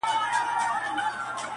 ډك د ميو جام مي د زړه ور مــات كړ.